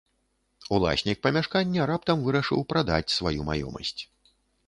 Уласнік памяшкання раптам вырашыў прадаць сваю маёмасць.